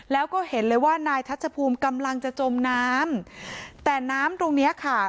แล้วก็เห็นเลยว่านายทัชภูมิกำลังจะจมน้ำแต่น้ำตรงเนี้ยค่ะ